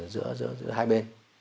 giữa hai bên